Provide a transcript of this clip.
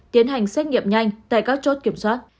tiến hành xét nghiệm nhanh tại các chốt kiểm soát